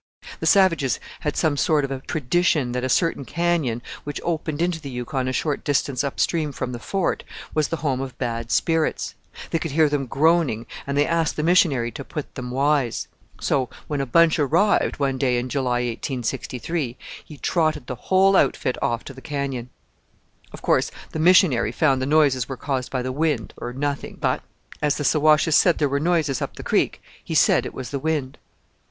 "The savages had some sort of a tradition that a certain canyon, which opened into the Yukon a short distance up stream from the Fort, was the home of bad spirits; they could hear them groaning, and they asked the missionary to 'put them wise.' So when a bunch arrived, one day in July 1863, he trotted the whole outfit off to the canyon. Inform them. Bunch Party. "Of course the missionary found the noises were caused by the wind or nothing, but, as the Siwashes said there were noises up the Creek, he said it was the wind.